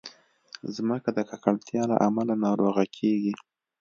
مځکه د ککړتیا له امله ناروغه کېږي.